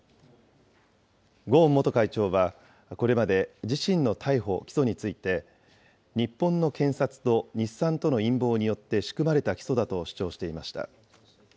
ゴーン元会長は、これまで自身の逮捕・起訴について、日本の検察と日産との陰謀によって仕組まれた起訴だと主張していました。